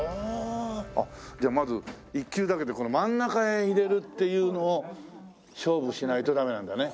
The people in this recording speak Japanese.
じゃあまず一球だけでこの真ん中へ入れるっていうのを勝負しないとダメなんだね。